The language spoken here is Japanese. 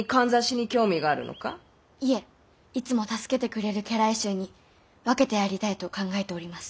いえいつも助けてくれる家来衆に分けてやりたいと考えております。